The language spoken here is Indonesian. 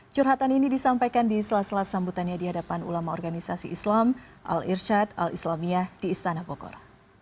curhatan ini disampaikan di sela sela sambutannya di hadapan ulama organisasi islam al irshad al islamiyah di istana bogor